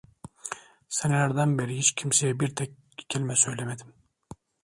Senelerden beri hiç kimseye bir tek kelime söylemedim.